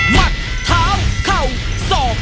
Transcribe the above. มัดท้าวเข้าสอบ